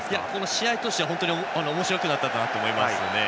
試合としてはおもしろくなったと思います。